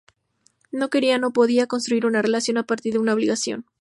No quería, no podía, construir una relación a partir de una obligación.